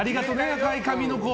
赤い髪の子。